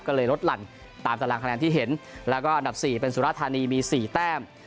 ก็เลยลดหลั่นตามตารางคะแนนที่เห็นแล้วก็อันดับ๔เป็นสุรธานีมี๔แต้ม